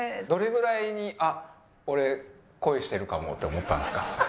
どれぐらいに「あっ俺恋してるかも」って思ったんですか？